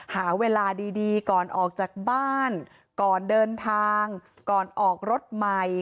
หาเวลาดีก่อนออกจากบ้านก่อนเดินทางก่อนออกรถใหม่